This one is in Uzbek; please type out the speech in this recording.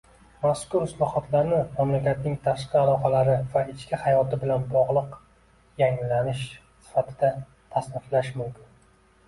Mazkur islohotlarni mamlakatning tashqi aloqalari va ichki hayoti bilan bogʻliq yangilanish sifatida tasniflash mumkin.